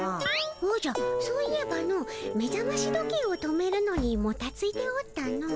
おじゃそういえばの目ざまし時計を止めるのにもたついておったの。